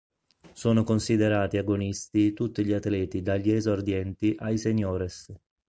Sono considerati agonisti tutti gli atleti dagli Esordienti ai Seniores.